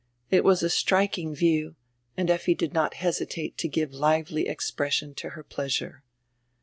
It was a striking view and Effi did not hesitate to give lively expression to her pleasure.